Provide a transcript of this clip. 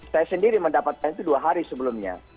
saya sendiri mendapatkan itu dua hari sebelumnya